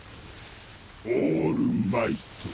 オールマイト。